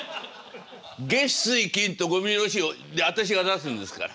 月水金とゴミの日で私が出すんですから。